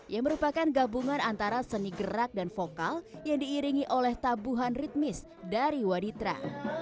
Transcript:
yang merupakan gabungan antara seni gerak dan vokal yang diiringi oleh tabuhan ritmis dari waditra